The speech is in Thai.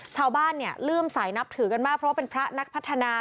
ชาวบ้านเนี่ยเลื่อมสายนับถือกันมากเพราะว่าเป็นพระนักพัฒนา